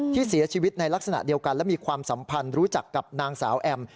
ที่เสียชีวิตในลักษณะเดียวกันและมีความสัมพันธ์รู้จักกับนางสาวแอม